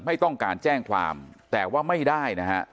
ไม่ต้องการแจ้งความแต่ว่าไม่ได้นะฮะ